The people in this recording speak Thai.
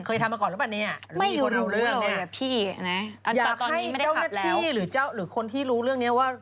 เคยทำมาก่อนแล้วป่ะเนี่ยหรือมีคนเอาเรื่องเนี่ย